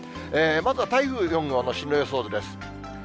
まずは台風４号の進路予想図です。